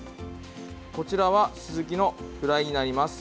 こちらはスズキのフライになります。